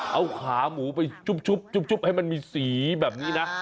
เอาขาหมูไปชุบให้มันมีสีแบบนี้นะ